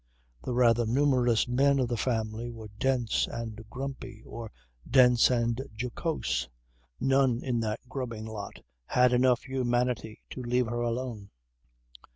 The rather numerous men of the family were dense and grumpy, or dense and jocose. None in that grubbing lot had enough humanity to leave her alone.